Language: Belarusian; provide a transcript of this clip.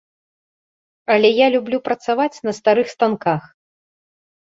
Але я люблю працаваць на старых станках.